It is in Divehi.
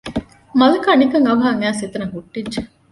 މަލަކާ ނިކަން އަވަހަށް އައިސް އެތަނަށް ހުއްޓިއްޖެ